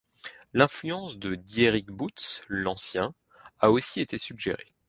L’influence de Dieric Bouts l’Ancien a aussi été suggérée.